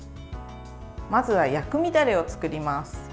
まず薬味ダレを作ります。